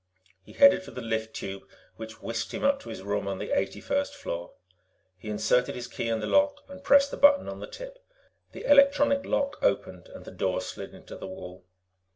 He headed for the lift tube, which whisked him up to his room on the eighty first floor. He inserted his key in the lock and pressed the button on the tip. The electronic lock opened, and the door slid into the wall.